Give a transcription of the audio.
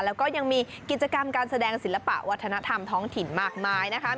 แล้วก็ยังมีกิจกรรมการแสดงศิลปะวัฒนธรรมท้องถิ่นมากมายนะคะ